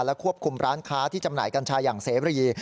ควบคุมร้านค้าที่จำหน่ายกัญชาอย่างเสบรี